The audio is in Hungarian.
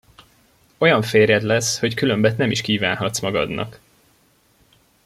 Olyan férjed lesz, hogy különbet nem is kívánhatsz magadnak!